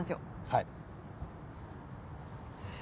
はい。